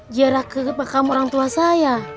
jarak ke makam orang tua saya